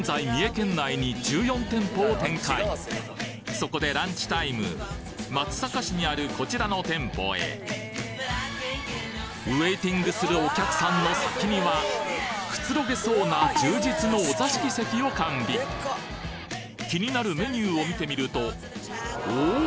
そこでランチタイム松阪市にあるこちらの店舗へウェイティングするお客さんの先にはくつろげそうな充実のお座敷席を完備気になるメニューを見てみるとおお！